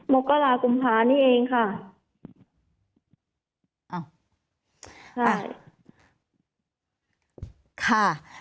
มกราคุมภานี่เองค่ะ